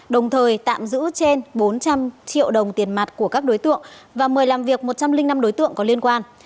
đồng thời tạm giữ trên bốn trăm linh triệu đồng tiền mặt của các đối tượng và mời làm việc một trăm linh năm đối tượng có liên quan